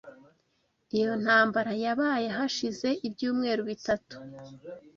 Iyo ntambara yabaye hashize ibyumweru bitatu.